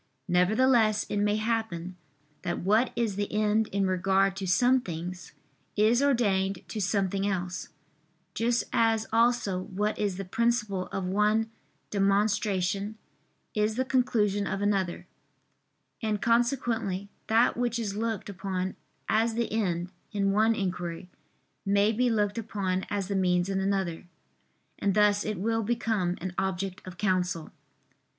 Nevertheless it may happen that what is the end in regard to some things, is ordained to something else; just as also what is the principle of one demonstration, is the conclusion of another: and consequently that which is looked upon as the end in one inquiry, may be looked upon as the means in another; and thus it will become an object of counsel.